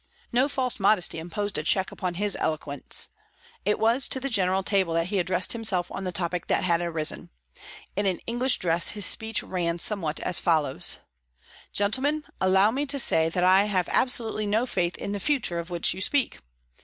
No false modesty imposed a check upon his eloquence. It was to the general table that he addressed himself on the topic that had arisen; in an English dress his speech ran somewhat as follows: "Gentlemen, allow me to say that I have absolutely no faith in the future of which you speak!